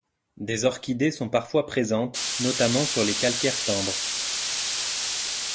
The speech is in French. Des orchidées sont parfois présentes, notamment sur les calcaires tendres.